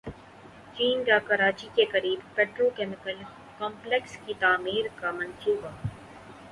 چین کا کراچی کے قریب پیٹرو کیمیکل کمپلیکس کی تعمیر کا منصوبہ